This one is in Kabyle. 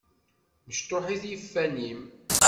Mecṭuḥit yiffan-im.